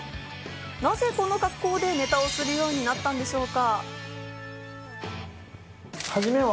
なぜ、この格好でネタをするようになったんでしょうか。